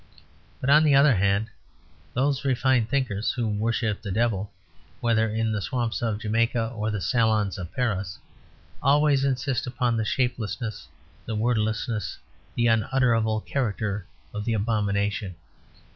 But, on the other hand, those refined thinkers who worship the Devil, whether in the swamps of Jamaica or the salons of Paris, always insist upon the shapelessness, the wordlessness, the unutterable character of the abomination.